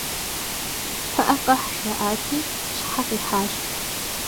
«Пыӏэ къэхь» жаӏати, щхьэ къихьащ.